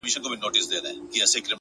هره تېروتنه د اصلاح فرصت دی.!